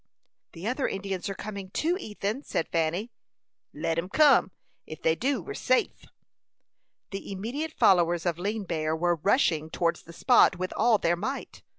"The other Indians are coming too, Ethan," said Fanny. "Let 'em kim; if they do we are safe." The immediate followers of Lean Bear were rushing towards the spot with all their might.